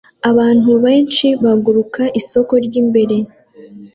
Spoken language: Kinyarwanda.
Abantu benshi bagura isoko ryimbere